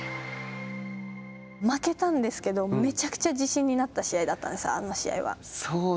負けたんですけども、めちゃくちゃ自信になった試合だったんです、あの試合は。